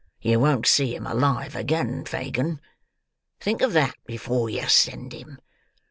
You won't see him alive again, Fagin. Think of that, before you send him.